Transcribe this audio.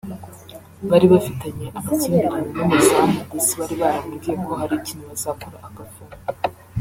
bari bafitanye amakimbirane n’umuzamu ndetse bari baramubwiye ko hari ikintu bazakora agafungwa